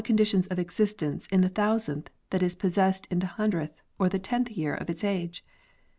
conditions of existence in the thousandth that is possessed in the hundredth or the tenth year of its age?